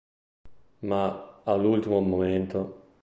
Ma, all'ultimo momento.